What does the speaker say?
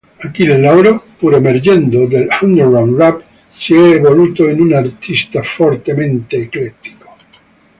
Achille Lauro, pur emergendo dall'underground rap, si è evoluto in un artista fortemente eclettico.